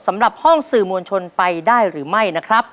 สำหรับห้องสื่อมวลชนไปได้หรือไม่นะครับ